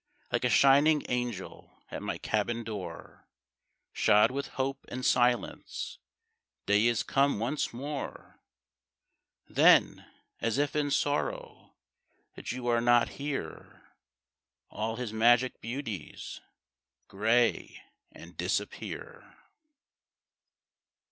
Like a shining angel At my cabin door, Shod with hope and silence, Day is come once more. Then, as if in sorrow That you are not here, All his magic beauties Gray and disappear.